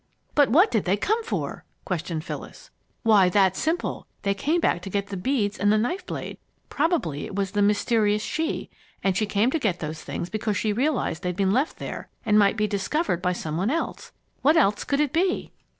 "But what did they come for?" questioned Phyllis. "Why, that's simple. They came back to get the beads and the knife blade. Probably it was the 'mysterious she,' and she came to get those things because she realized they'd been left there and might be discovered by some one else. What else could it be?"